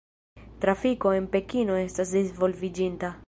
Trafiko en Pekino estas disvolviĝinta.